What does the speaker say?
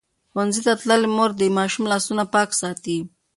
ښوونځې تللې مور د ماشوم لاسونه پاک ساتي.